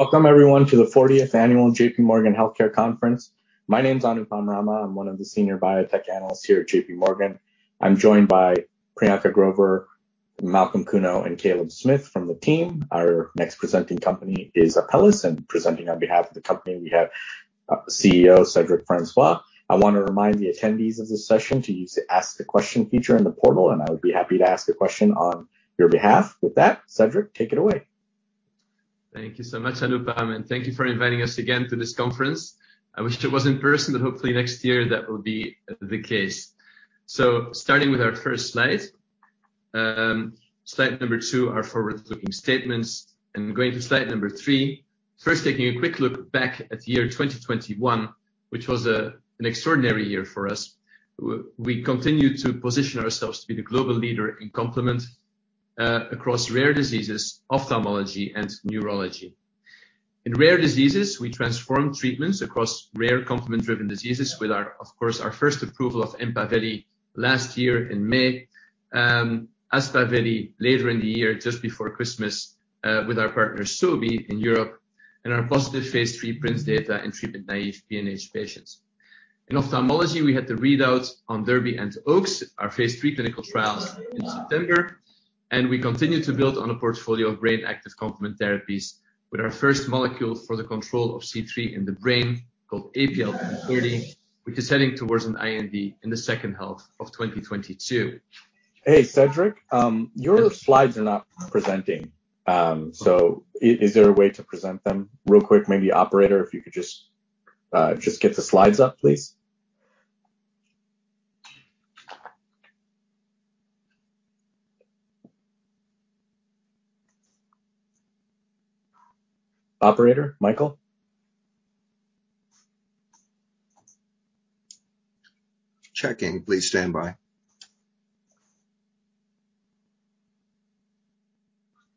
Welcome everyone to the 40th annual J.P. Morgan Healthcare Conference. My name is Anupam Rama. I'm one of the senior biotech analysts here at J.P. Morgan. I'm joined by Priyanka Grover, Malcolm Kuno, and Caleb Smith from the team. Our next presenting company is Apellis, and presenting on behalf of the company, we have CEO Cedric Francois. I want to remind the attendees of this session to use the ask a question feature in the portal, and I would be happy to ask a question on your behalf. With that, Cedric, take it away. Thank you so much, Anupam, and thank you for inviting us again to this conference. I wish it was in person, but hopefully next year that will be the case. Starting with our first slide. Slide 2, our forward-looking statements, and going to slide 3. First, taking a quick look back at year 2021, which was an extraordinary year for us. We continued to position ourselves to be the global leader in complement across rare diseases, ophthalmology and neurology. In rare diseases, we transformed treatments across rare complement-driven diseases with our, of course, our first approval of EMPAVELI last year in May, Aspaveli later in the year, just before Christmas, with our partner Sobi in Europe, and our positive phase III PRINCE data in treatment-naïve PNH patients. In ophthalmology, we had the readouts on DERBY and OAKS, our phase III clinical trials in September, and we continued to build on a portfolio of brain-active complement therapies with our first molecule for the control of C3 in the brain, called APL-1030, which is heading towards an IND in the second half of 2022. Hey, Cedric, your slides are not presenting. Is there a way to present them real quick? Maybe operator, if you could just get the slides up, please. Operator? Michael? Do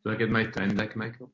I get my time back, Michael?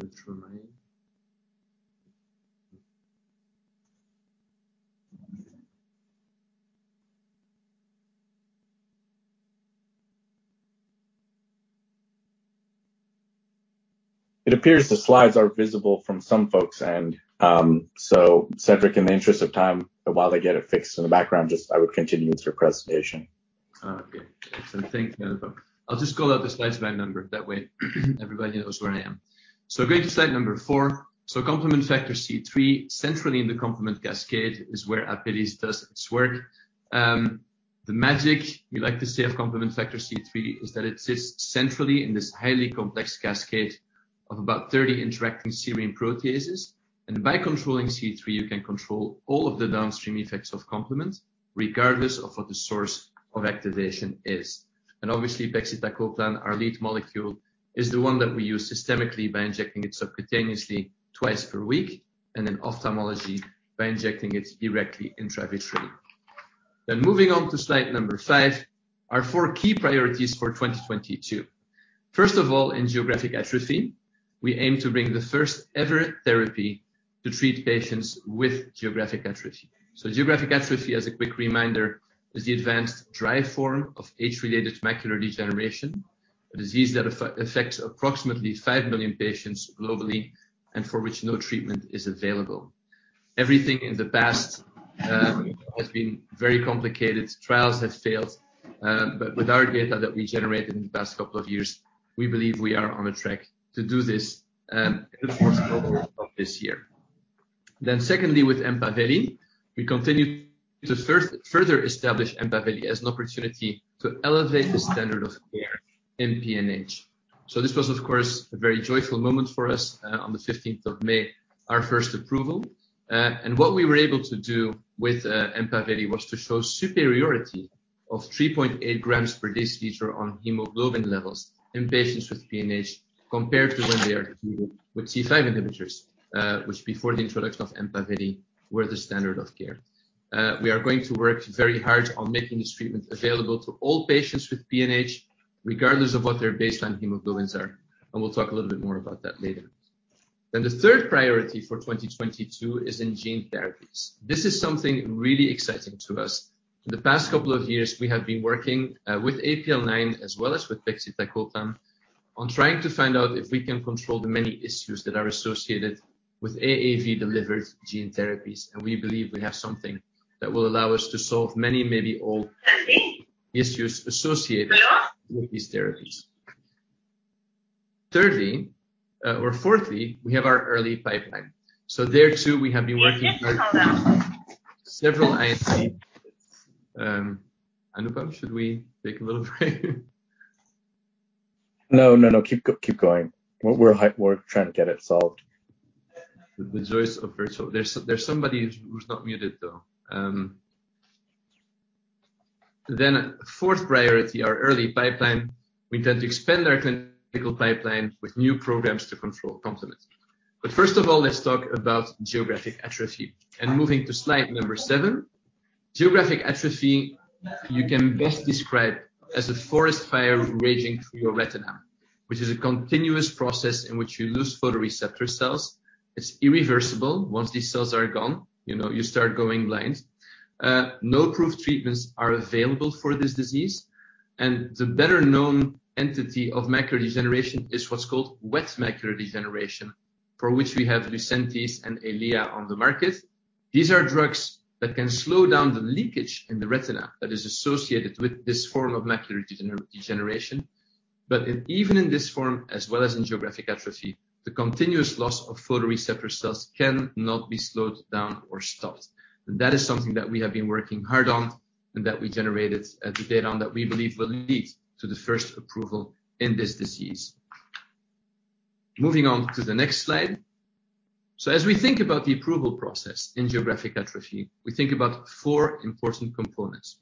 Just kidding. It appears the slides are visible from some folks' end. Cedric, in the interest of time, while they get it fixed in the background, just I would continue with your presentation. Okay. Excellent. Thank you. I'll just call out the slides by number. That way everybody knows where I am. Going to slide number four. Complement factor C3, centrally in the complement cascade is where Apellis does its work. The magic, we like to say, of complement factor C3 is that it sits centrally in this highly complex cascade of about 30 interacting serine proteases. By controlling C3, you can control all of the downstream effects of complement, regardless of what the source of activation is. Obviously, pegcetacoplan, our lead molecule, is the one that we use systemically by injecting it subcutaneously twice per week, and in ophthalmology by injecting it directly intravitreally. Moving on to slide number five, our four key priorities for 2022. First of all, in geographic atrophy, we aim to bring the first-ever therapy to treat patients with geographic atrophy. Geographic atrophy, as a quick reminder, is the advanced dry form of age-related macular degeneration, a disease that affects approximately five million patients globally and for which no treatment is available. Everything in the past has been very complicated. Trials have failed. But with our data that we generated in the past couple of years, we believe we are on a track to do this in the first quarter of this year. Secondly, with EMPAVELI, we continue to further establish EMPAVELI as an opportunity to elevate the standard of care in PNH. This was, of course, a very joyful moment for us on the 15th of May, our first approval. What we were able to do with EMPAVELI was to show superiority of 3.8 grams per deciliter on hemoglobin levels in patients with PNH compared to when they are treated with C5 inhibitors, which before the introduction of EMPAVELI were the standard of care. We are going to work very hard on making this treatment available to all patients with PNH, regardless of what their baseline hemoglobins are, and we'll talk a little bit more about that later. The third priority for 2022 is in gene therapies. This is something really exciting to us. The past couple of years, we have been working with APL-9 as well as with pegcetacoplan on trying to find out if we can control the many issues that are associated with AAV-delivered gene therapies, and we believe we have something that will allow us to solve many, maybe all issues associated with these therapies. Thirdly, or fourthly, we have our early pipeline. There too, we have been working hard on several Anupam, should we take a little break? No, no. Keep going. We're trying to get it solved. The joys of virtual. There's somebody who's not muted, though. Fourth priority, our early pipeline. We intend to expand our clinical pipeline with new programs to control complement. First of all, let's talk about geographic atrophy. Moving to slide number seven. Geographic atrophy you can best describe as a forest fire raging through your retina, which is a continuous process in which you lose photoreceptor cells. It's irreversible. Once these cells are gone, you know, you start going blind. No approved treatments are available for this disease, and the better-known entity of macular degeneration is what's called wet macular degeneration, for which we have Lucentis and Eylea on the market. These are drugs that can slow down the leakage in the retina that is associated with this form of macular degeneration. In even in this form, as well as in geographic atrophy, the continuous loss of photoreceptor cells cannot be slowed down or stopped. That is something that we have been working hard on and that we generated the data on, that we believe will lead to the first approval in this disease. Moving on to the next slide. As we think about the approval process in geographic atrophy, we think about four important components.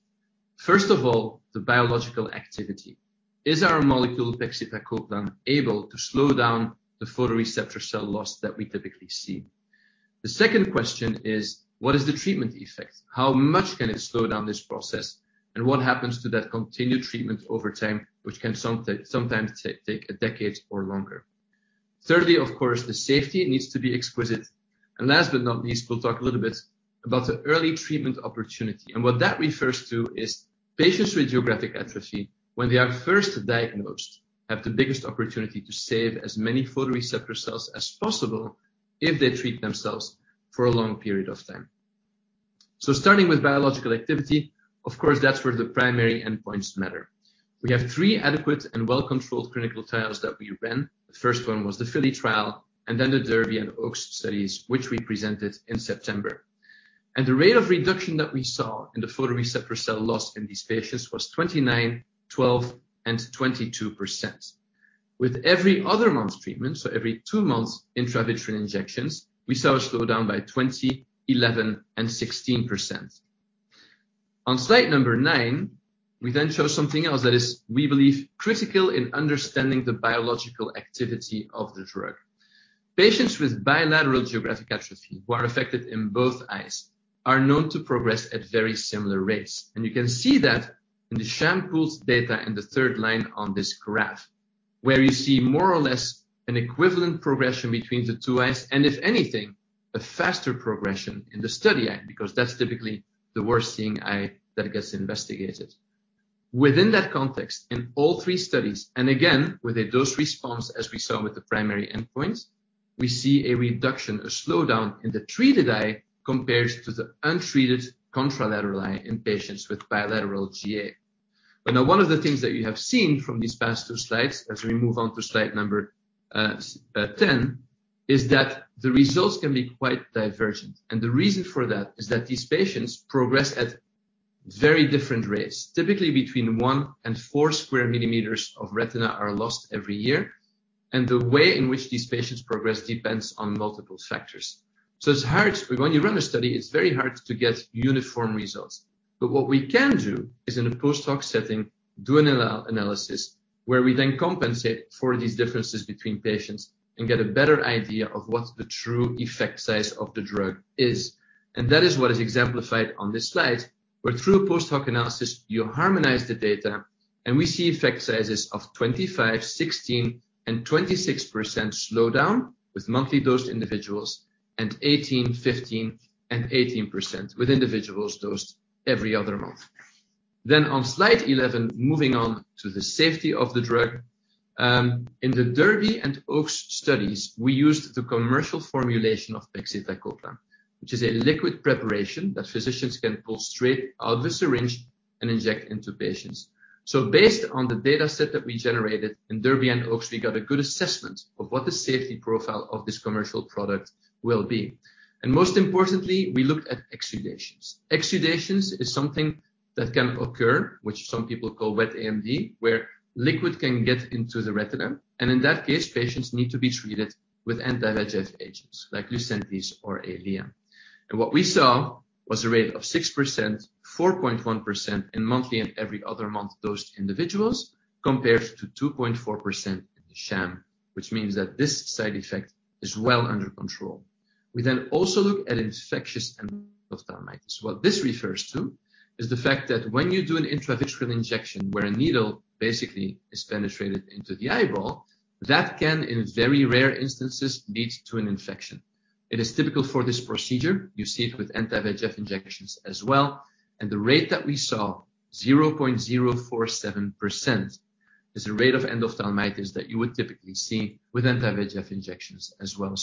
First of all, the biological activity. Is our molecule, pegcetacoplan, able to slow down the photoreceptor cell loss that we typically see? The second question is: What is the treatment effect? How much can it slow down this process, and what happens to that continued treatment over time, which can sometimes take a decade or longer? Thirdly, of course, the safety needs to be exquisite. Last but not least, we'll talk a little bit about the early treatment opportunity. What that refers to is patients with geographic atrophy when they are first diagnosed have the biggest opportunity to save as many photoreceptor cells as possible if they treat themselves for a long period of time. Starting with biological activity, of course, that's where the primary endpoints matter. We have three adequate and well-controlled clinical trials that we ran. The first one was the FILLY trial and then the DERBY and OAKS studies, which we presented in September. The rate of reduction that we saw in the photoreceptor cell loss in these patients was 29%, 12%, and 22%. With every other month treatment, so every two months intravitreal injections, we saw a slowdown by 20%, 11%, and 16%. On slide number nine, we then show something else that is, we believe, critical in understanding the biological activity of the drug. Patients with bilateral geographic atrophy, who are affected in both eyes, are known to progress at very similar rates. You can see that in the sham pooled data in the third line on this graph, where you see more or less an equivalent progression between the two eyes and if anything, a faster progression in the study eye, because that's typically the worse seeing eye that gets investigated. Within that context, in all three studies, and again, with a dose response, as we saw with the primary endpoints, we see a reduction, a slowdown in the treated eye compared to the untreated contralateral eye in patients with bilateral GA. Now one of the things that you have seen from these past two slides as we move on to slide number 10 is that the results can be quite divergent. The reason for that is that these patients progress at very different rates. Typically, between 1 and 4 square millimeters of retina are lost every year, and the way in which these patients progress depends on multiple factors. It's hard when you run a study. It's very hard to get uniform results. What we can do is in a post-hoc setting do analysis where we then compensate for these differences between patients and get a better idea of what the true effect size of the drug is. That is what is exemplified on this slide, where through a post-hoc analysis, you harmonize the data, and we see effect sizes of 25%, 16%, and 26% slowdown with monthly dosed individuals and 18%, 15%, and 18% with individuals dosed every other month. On slide 11, moving on to the safety of the drug. In the DERBY and OAKS studies, we used the commercial formulation of pegcetacoplan, which is a liquid preparation that physicians can pull straight out of the syringe and inject into patients. Based on the data set that we generated in DERBY and OAKS, we got a good assessment of what the safety profile of this commercial product will be. Most importantly, we looked at exudations. Exudations is something that can occur, which some people call wet AMD, where liquid can get into the retina. In that case, patients need to be treated with anti-VEGF agents like Lucentis or Eylea. What we saw was a rate of 6%, 4.1% in monthly and every other month dosed individuals compared to 2.4% in the sham, which means that this side effect is well under control. We then also look at infectious endophthalmitis. What this refers to is the fact that when you do an intravitreal injection, where a needle basically is penetrated into the eyeball, that can, in very rare instances, lead to an infection. It is typical for this procedure. You see it with anti-VEGF injections as well. The rate that we saw, 0.047%, is the rate of endophthalmitis that you would typically see with anti-VEGF injections as well.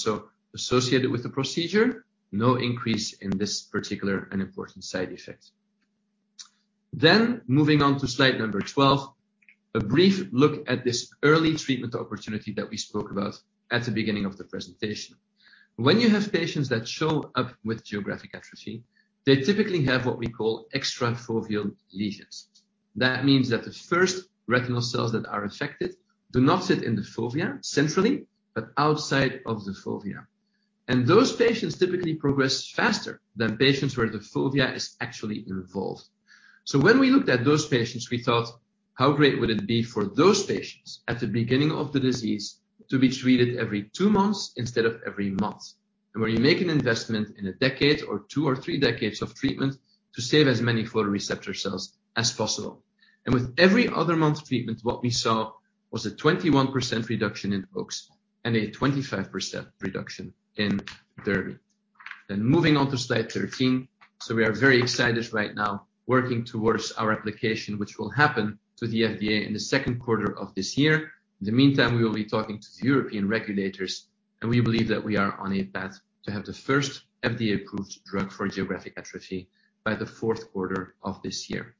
Associated with the procedure, no increase in this particular and important side effect. Moving on to slide number 12, a brief look at this early treatment opportunity that we spoke about at the beginning of the presentation. When you have patients that show up with geographic atrophy, they typically have what we call extrafoveal lesions. That means that the first retinal cells that are affected do not sit in the fovea centrally but outside of the fovea. Those patients typically progress faster than patients where the fovea is actually involved. When we looked at those patients, we thought, "How great would it be for those patients at the beginning of the disease to be treated every 2 months instead of every month?" When you make an investment in a decade or 2 or 3 decades of treatment to save as many photoreceptor cells as possible. With every other month treatment, what we saw was a 21% reduction in OAKS and a 25% reduction in DERBY. Moving on to slide 13. We are very excited right now working towards our application, which will happen to the FDA in the second quarter of this year. In the meantime, we will be talking to the European regulators and we believe that we are on a path to have the first FDA-approved drug for geographic atrophy by the fourth quarter of this year.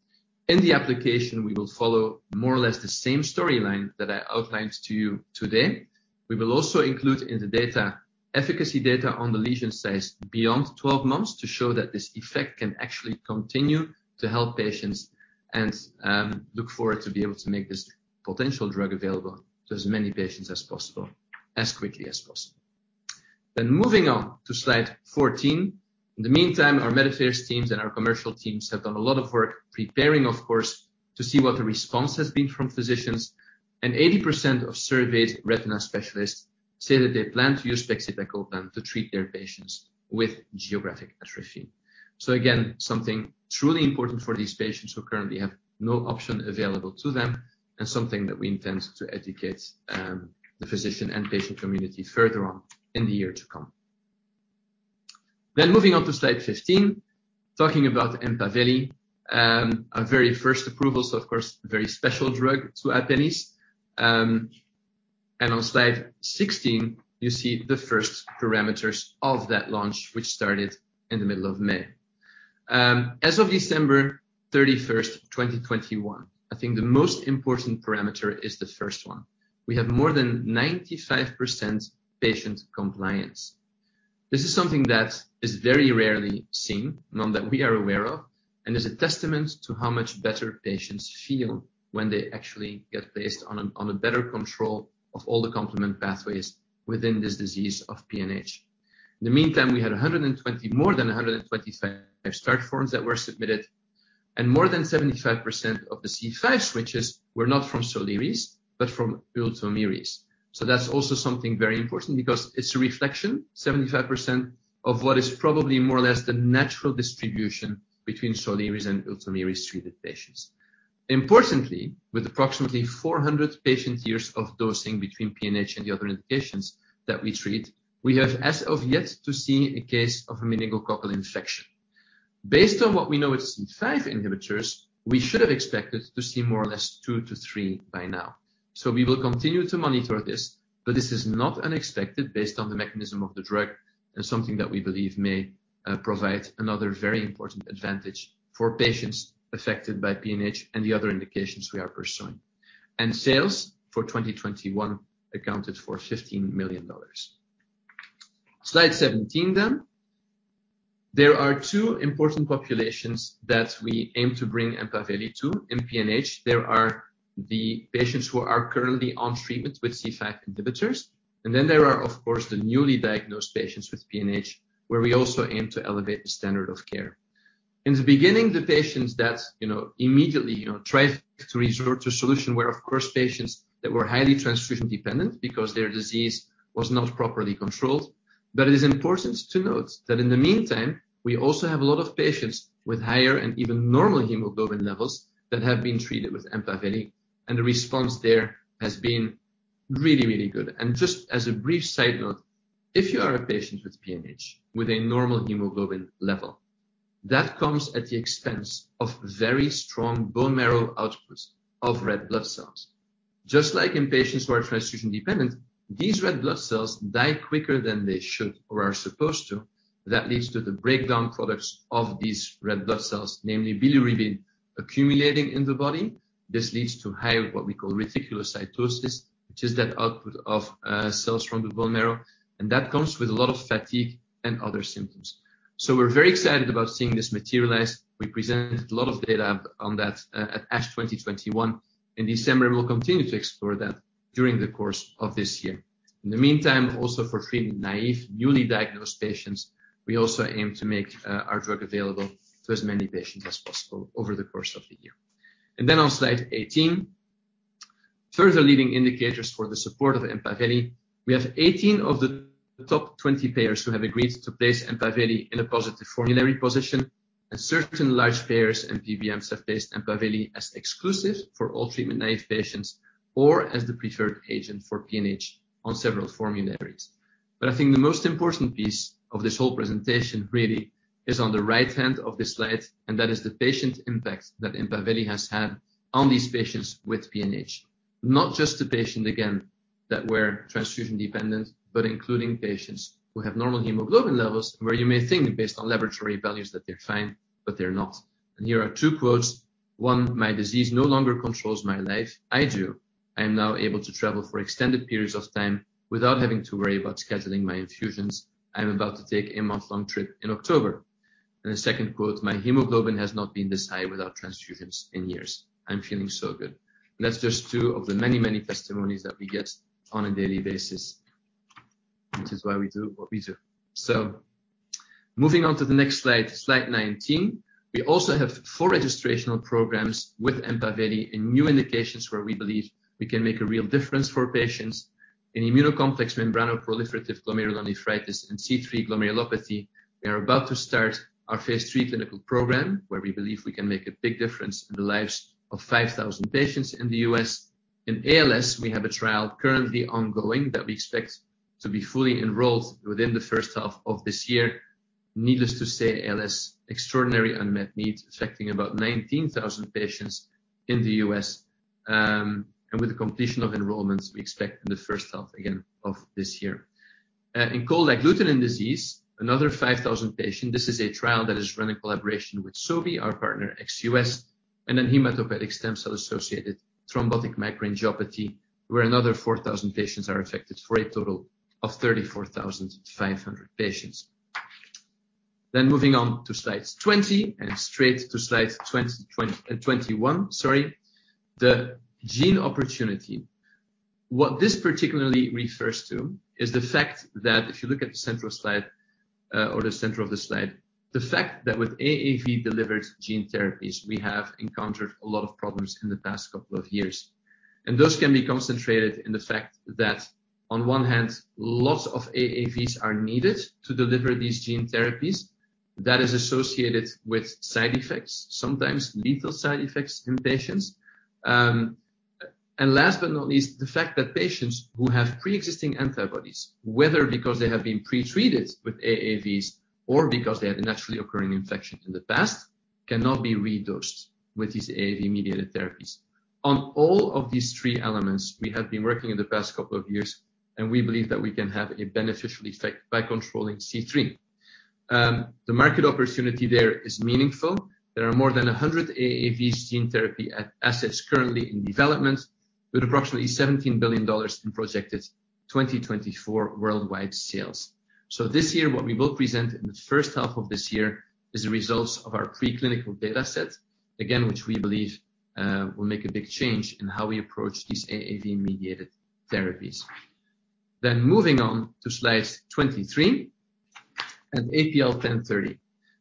In the application, we will follow more or less the same storyline that I outlined to you today. We will also include in the data efficacy data on the lesion size beyond 12 months to show that this effect can actually continue to help patients and look forward to be able to make this potential drug available to as many patients as possible, as quickly as possible. Moving on to slide 14. In the meantime, our medical affairs teams and our commercial teams have done a lot of work preparing, of course, to see what the response has been from physicians. 80% of surveyed retina specialists say that they plan to use pegcetacoplan to treat their patients with geographic atrophy. Again, something truly important for these patients who currently have no option available to them and something that we intend to educate the physician and patient community further on in the year to come. Moving on to slide 15, talking about EMPAVELI. Our very first approval, so of course, very special drug to Apellis. And on slide 16, you see the first parameters of that launch which started in the middle of May. As of December 31, 2021, I think the most important parameter is the first one. We have more than 95% patient compliance. This is something that is very rarely seen, none that we are aware of, and is a testament to how much better patients feel when they actually get placed on a better control of all the complement pathways within this disease of PNH. In the meantime, we had more than 125 start forms that were submitted, and more than 75% of the C5 switches were not from Soliris, but from Ultomiris. That's also something very important because it's a reflection, 75% of what is probably more or less the natural distribution between Soliris and Ultomiris treated patients. Importantly, with approximately 400 patient years of dosing between PNH and the other indications that we treat, we have as of yet to see a case of meningococcal infection. Based on what we know with C5 inhibitors, we should have expected to see more or less 2-3 by now. We will continue to monitor this, but this is not unexpected based on the mechanism of the drug and something that we believe may provide another very important advantage for patients affected by PNH and the other indications we are pursuing. Sales for 2021 accounted for $15 million. Slide 17 then. There are two important populations that we aim to bring EMPAVELI to. In PNH, there are the patients who are currently on treatment with C5 inhibitors, and then there are, of course, the newly diagnosed patients with PNH, where we also aim to elevate the standard of care. In the beginning, the patients that, you know, immediately, you know, tried to resort to Soliris were, of course, patients that were highly transfusion dependent because their disease was not properly controlled. It is important to note that in the meantime, we also have a lot of patients with higher and even normal hemoglobin levels that have been treated with EMPAVELI, and the response there has been really, really good. Just as a brief side note, if you are a patient with PNH with a normal hemoglobin level, that comes at the expense of very strong bone marrow outputs of red blood cells. Just like in patients who are transfusion dependent, these red blood cells die quicker than they should or are supposed to. That leads to the breakdown products of these red blood cells, namely bilirubin accumulating in the body. This leads to high what we call reticulocytosis, which is that output of cells from the bone marrow, and that comes with a lot of fatigue and other symptoms. We're very excited about seeing this materialize. We presented a lot of data on that at ASH 2021 in December. We'll continue to explore that during the course of this year. In the meantime, also for treatment-naïve, newly diagnosed patients, we also aim to make our drug available to as many patients as possible over the course of the year. On slide 18, further leading indicators for the support of EMPAVELI. We have 18 of the top 20 payers who have agreed to place EMPAVELI in a positive formulary position, and certain large payers and PBMs have placed EMPAVELI as exclusive for all treatment-naïve patients or as the preferred agent for PNH on several formularies. I think the most important piece of this whole presentation really is on the right hand of this slide, and that is the patient impact that EMPAVELI has had on these patients with PNH. Not just the patient, again, that were transfusion dependent, but including patients who have normal hemoglobin levels, where you may think based on laboratory values that they're fine, but they're not. Here are two quotes. One: "My disease no longer controls my life. I do. I am now able to travel for extended periods of time without having to worry about scheduling my infusions. I'm about to take a month-long trip in October." The second quote, "My hemoglobin has not been this high without transfusions in years. I'm feeling so good." That's just two of the many, many testimonies that we get on a daily basis, which is why we do what we do. Moving on to the next slide 19. We also have four registrational programs with EMPAVELI in new indications where we believe we can make a real difference for patients. In immune complex membranoproliferative glomerulonephritis and C3 glomerulopathy, we are about to start our phase III clinical program, where we believe we can make a big difference in the lives of 5,000 patients in the U.S. In ALS, we have a trial currently ongoing that we expect to be fully enrolled within the first half of this year. Needless to say, ALS, extraordinary unmet needs affecting about 19,000 patients in the U.S., and with the completion of enrollments we expect in the first half again of this year. In cold agglutinin disease, another 5,000 patients. This is a trial that is run in collaboration with Sobi, our partner ex-U.S., and then hematopoietic stem cell-associated thrombotic microangiopathy, where another 4,000 patients are affected, for a total of 34,500 patients. Moving on to slides 20 and straight to slide 20-21, sorry. The gene opportunity. What this particularly refers to is the fact that if you look at the center of the slide, the fact that with AAV-delivered gene therapies, we have encountered a lot of problems in the past couple of years. Those can be concentrated in the fact that on one hand, lots of AAVs are needed to deliver these gene therapies. That is associated with side effects, sometimes lethal side effects in patients. Last but not least, the fact that patients who have pre-existing antibodies, whether because they have been pre-treated with AAVs or because they had a naturally occurring infection in the past, cannot be re-dosed with these AAV-mediated therapies. On all of these three elements, we have been working in the past couple of years, and we believe that we can have a beneficial effect by controlling C3. The market opportunity there is meaningful. There are more than 100 AAV gene therapy assets currently in development, with approximately $17 billion in projected 2024 worldwide sales. This year, what we will present in the first half of this year is the results of our preclinical data set, again, which we believe will make a big change in how we approach these AAV-mediated therapies. Moving on to slide 23. At APL-1030,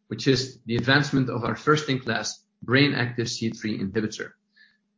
which is the advancement of our first-in-class brain active C3 inhibitor.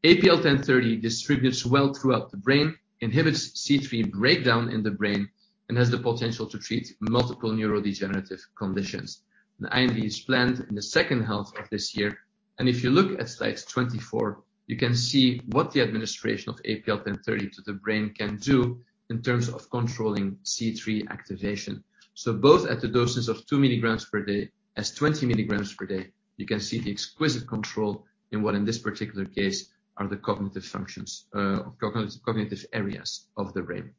APL-1030 distributes well throughout the brain, inhibits C3 breakdown in the brain, and has the potential to treat multiple neurodegenerative conditions. The IND is planned in the second half of this year. If you look at slide 24, you can see what the administration of APL-1030 to the brain can do in terms of controlling C3 activation. Both at the doses of 2 milligrams per day and 20 milligrams per day, you can see the exquisite control in what, in this particular case, are the cognitive functions, cognitive areas of the brain.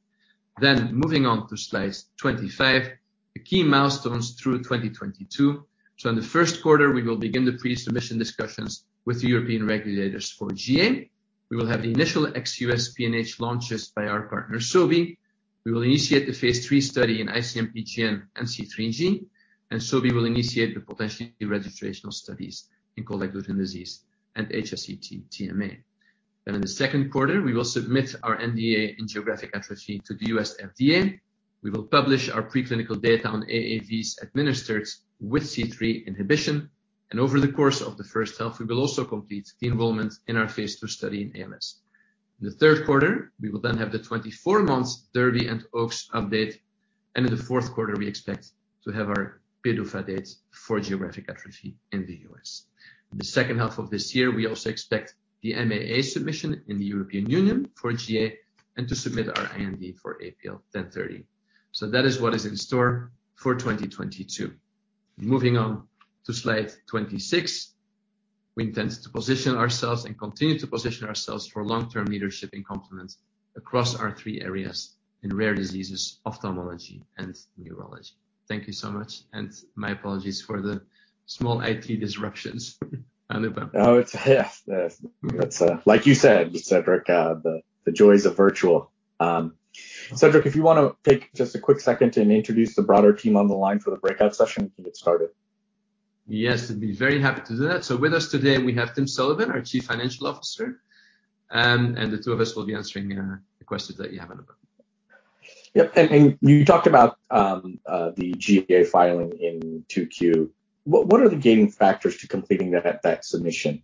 Moving on to slide 25, the key milestones through 2022. In the first quarter, we will begin the pre-submission discussions with the European regulators for GA. We will have the initial ex-US PNH launches by our partner, Sobi. We will initiate the phase III study in IC-MPGN and C3G, and Sobi will initiate the potential registrational studies in cold agglutinin disease and HSCT-TMA. In the second quarter, we will submit our NDA in geographic atrophy to the U.S. FDA. We will publish our preclinical data on AAVs administered with C3 inhibition. Over the course of the first half, we will also complete the enrollment in our phase II study in ALS. In the third quarter, we will then have the 24-month DERBY and OAKS update. In the fourth quarter, we expect to have our PDUFA date for geographic atrophy in the U.S. In the second half of this year, we also expect the MAA submission in the European Union for GA and to submit our IND for APL-1030. That is what is in store for 2022. Moving on to slide 26. We intend to position ourselves and continue to position ourselves for long-term leadership in complements across our three areas in rare diseases, ophthalmology and neurology. Thank you so much, and my apologies for the small IT disruptions, Anupam. Like you said, Cedric, the joys of virtual. Cedric, if you wanna take just a quick second and introduce the broader team on the line for the breakout session, we can get started. Yes, I'd be very happy to do that. With us today we have Tim Sullivan, our Chief Financial Officer, and the two of us will be answering the questions that you have, Anupam. Yep. You talked about the GA filing in 2Q. What are the gating factors to completing that submission?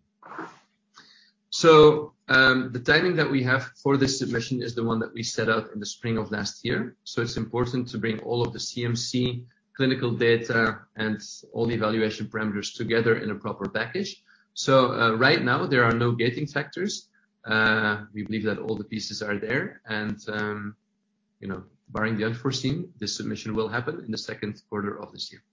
The timing that we have for this submission is the one that we set out in the spring of last year. It's important to bring all of the CMC clinical data and all the evaluation parameters together in a proper package. Right now there are no gating factors. We believe that all the pieces are there, and you know, barring the unforeseen, this submission will happen in the second quarter of this year.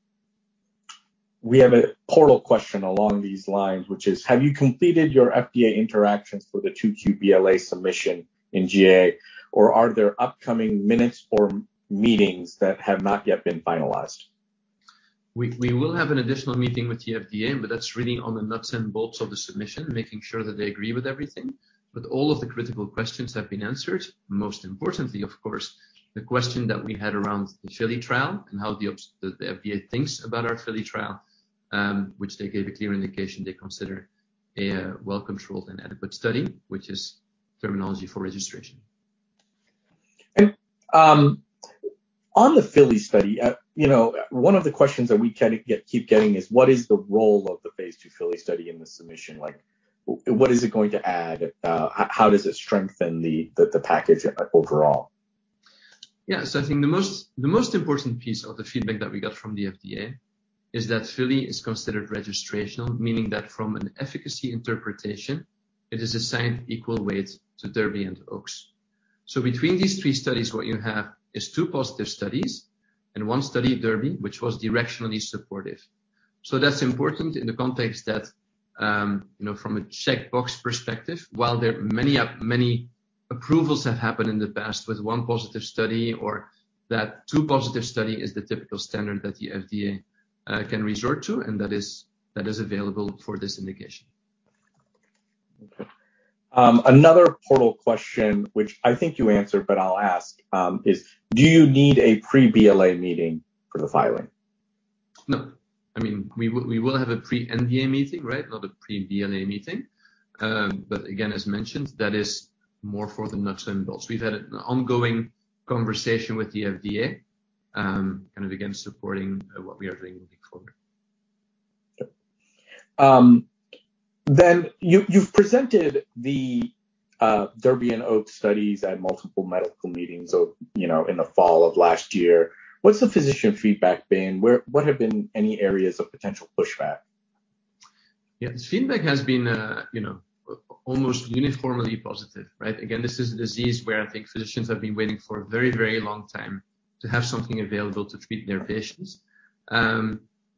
We have a portal question along these lines, which is, have you completed your FDA interactions for the 2Q BLA submission in GA, or are there upcoming minutes or meetings that have not yet been finalized? We will have an additional meeting with the FDA, but that's really on the nuts and bolts of the submission, making sure that they agree with everything. All of the critical questions have been answered. Most importantly, of course, the question that we had around the FILLY trial and how the FDA thinks about our FILLY trial, which they gave a clear indication they consider a well-controlled and adequate study, which is terminology for registration. On the FILLY study, you know, one of the questions that we keep getting is what is the role of the phase II FILLY study in the submission? Like, what is it going to add? How does it strengthen the package overall? Yeah. I think the most important piece of the feedback that we got from the FDA is that FILLY is considered registrational, meaning that from an efficacy interpretation, it is assigned equal weight to DERBY and OAKS. Between these three studies, what you have is two positive studies and one study, DERBY, which was directionally supportive. That's important in the context that, you know, from a checkbox perspective, while there are many approvals have happened in the past with one positive study or that two positive study is the typical standard that the FDA can resort to, and that is available for this indication. Okay. Another portal question, which I think you answered, but I'll ask, do you need a pre-BLA meeting for the filing? No. I mean, we will have a pre-NDA meeting, right? Not a pre-BLA meeting. Again, as mentioned, that is more for the nuts and bolts. We've had an ongoing conversation with the FDA, kind of again, supporting what we are doing moving forward. Yep. You've presented the DERBY and OAKS studies at multiple medical meetings, you know, in the fall of last year. What's the physician feedback been? What have been any areas of potential pushback? Yes. Feedback has been, you know, almost uniformly positive, right? Again, this is a disease where I think physicians have been waiting for a very, very long time to have something available to treat their patients.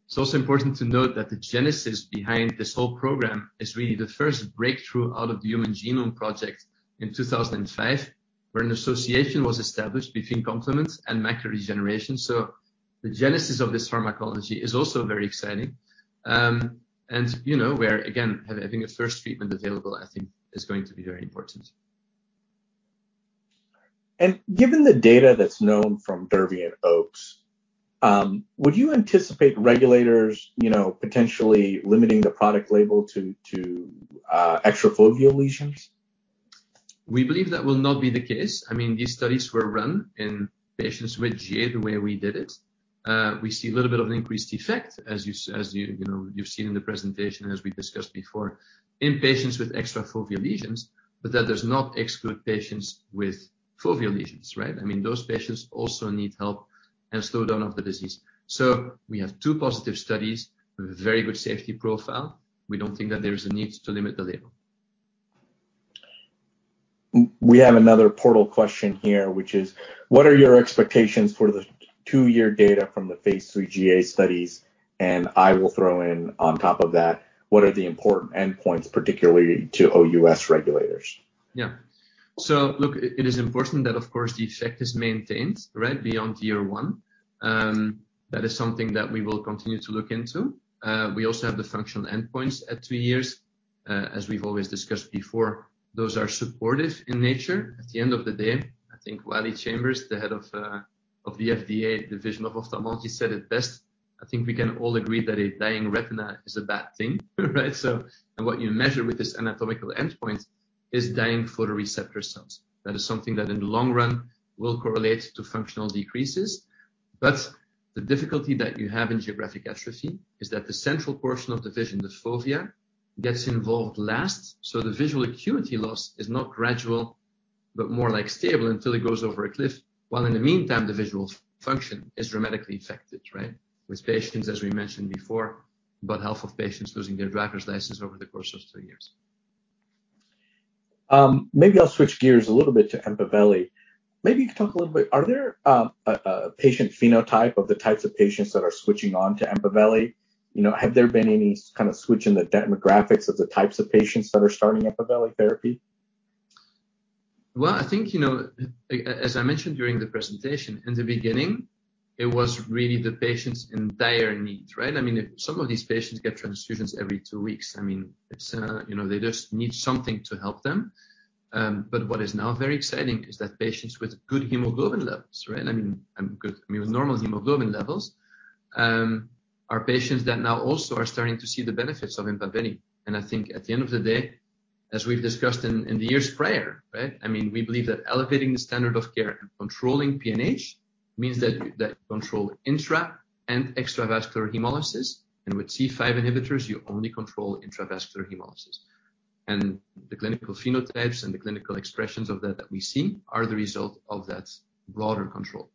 It's also important to note that the genesis behind this whole program is really the first breakthrough out of the Human Genome Project in 2005, where an association was established between complement and macular degeneration. The genesis of this pharmacology is also very exciting. You know, we're again having a first treatment available, I think is going to be very important. Given the data that's known from DERBY and OAKS, would you anticipate regulators, you know, potentially limiting the product label to extrafoveal lesions? We believe that will not be the case. I mean, these studies were run in patients with GA, the way we did it. We see a little bit of an increased effect, as you know, you've seen in the presentation as we discussed before in patients with extrafoveal lesions, but that does not exclude patients with foveal lesions, right? I mean, those patients also need help and slow down of the disease. We have two positive studies with a very good safety profile. We don't think that there is a need to limit the label. We have another portal question here, which is what are your expectations for the 2-year data from the phase III GA studies? I will throw in on top of that, what are the important endpoints, particularly to OUS regulators? Yeah. Look, it is important that, of course, the effect is maintained, right, beyond year 1. That is something that we will continue to look into. We also have the functional endpoints at 2 years. As we've always discussed before, those are supportive in nature. At the end of the day, I think Wiley Chambers, the head of the FDA, Division of Ophthalmology, said it best. I think we can all agree that a dying retina is a bad thing, right? What you measure with this anatomical endpoint is dying photoreceptor cells. That is something that in the long run will correlate to functional decreases. The difficulty that you have in geographic atrophy is that the central portion of the vision, the fovea, gets involved last. The visual acuity loss is not gradual, but more like stable until it goes over a cliff. While in the meantime, the visual function is dramatically affected, right? With patients, as we mentioned before, about half of patients losing their driver's license over the course of two years. Maybe I'll switch gears a little bit to EMPAVELI. Maybe you could talk a little bit, are there a patient phenotype of the types of patients that are switching on to EMPAVELI? You know, have there been any kind of switch in the demographics of the types of patients that are starting EMPAVELI therapy? Well, I think, you know, as I mentioned during the presentation, in the beginning it was really the patients in dire need, right? I mean, some of these patients get transfusions every two weeks. I mean, it's, you know, they just need something to help them. But what is now very exciting is that patients with good hemoglobin levels, right? I mean, with normal hemoglobin levels, are patients that now also are starting to see the benefits of EMPAVELI. I think at the end of the day, as we've discussed in the years prior, right? I mean, we believe that elevating the standard of care and controlling PNH means that you control intra and extravascular hemolysis. With C5 inhibitors, you only control intravascular hemolysis. The clinical phenotypes and the clinical expressions of that we see are the result of that broader control.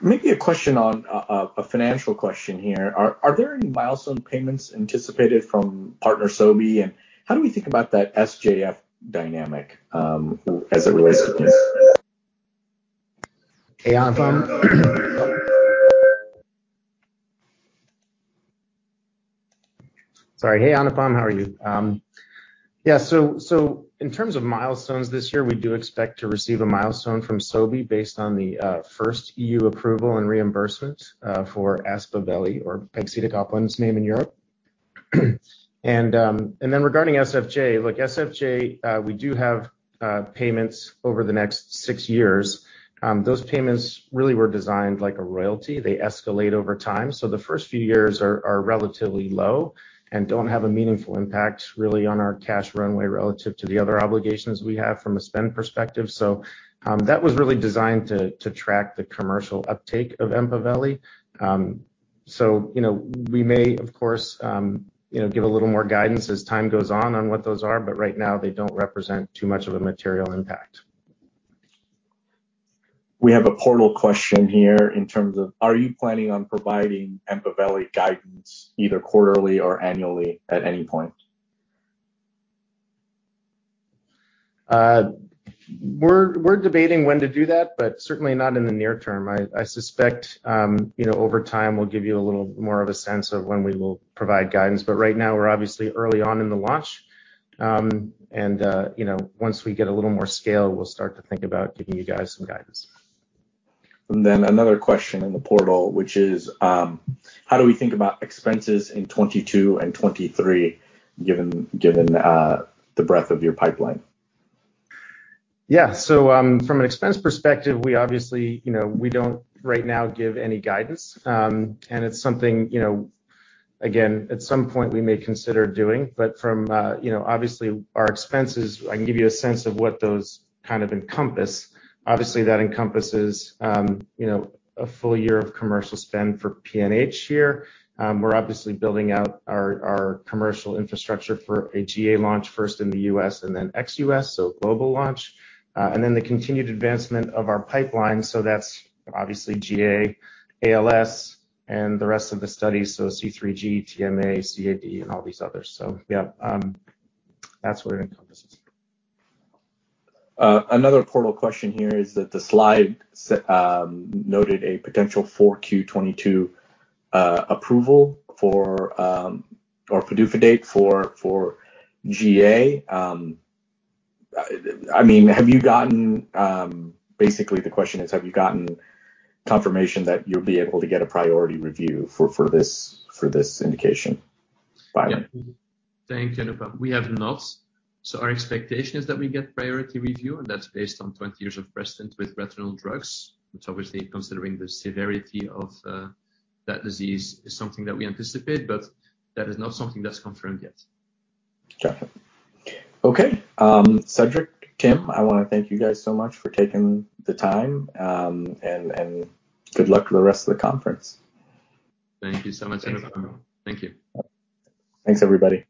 Maybe a question on a financial question here. Are there any milestone payments anticipated from partner Sobi, and how do we think about that SFJ dynamic as it relates to this? Hey, Anupam. Sorry. Hey, Anupam. How are you? Yeah. In terms of milestones this year, we do expect to receive a milestone from Sobi based on the first EU approval and reimbursement for Aspaveli or pegcetacoplan's name in Europe. Regarding SFJ. Look, SFJ, we do have payments over the next 6 years. Those payments really were designed like a royalty. They escalate over time. The first few years are relatively low and don't have a meaningful impact really on our cash runway relative to the other obligations we have from a spend perspective. That was really designed to track the commercial uptake of EMPAVELI. You know, we may, of course, you know, give a little more guidance as time goes on what those are, but right now they don't represent too much of a material impact. We have a portal question here in terms of, are you planning on providing EMPAVELI guidance either quarterly or annually at any point? We're debating when to do that, but certainly not in the near term. I suspect, you know, over time, we'll give you a little more of a sense of when we will provide guidance. Right now we're obviously early on in the launch. You know, once we get a little more scale, we'll start to think about giving you guys some guidance. Another question in the portal, which is, how do we think about expenses in 2022 and 2023, given the breadth of your pipeline? From an expense perspective, we obviously, you know, we don't right now give any guidance. It's something, you know, again, at some point we may consider doing. From, you know, obviously our expenses, I can give you a sense of what those kind of encompass. Obviously, that encompasses, you know, a full year of commercial spend for PNH here. We're obviously building out our commercial infrastructure for a GA launch first in the U.S. and then ex-U.S., global launch. The continued advancement of our pipeline. That's obviously GA, ALS, and the rest of the studies, so C3G, TMA, CAD, and all these others. That's what it encompasses. Another portal question here is that the slide noted a potential for Q2 2022 approval or PDUFA date for GA. I mean, basically the question is, have you gotten confirmation that you'll be able to get a priority review for this indication filing? Yeah. Thank you. We have not. Our expectation is that we get priority review, and that's based on 20 years of precedent with retinal drugs. It's obviously considering the severity of that disease is something that we anticipate, but that is not something that's confirmed yet. Got it. Okay. Cedric, Tim, I wanna thank you guys so much for taking the time, and good luck for the rest of the conference. Thank you so much. Thanks. Thank you. Thanks, everybody.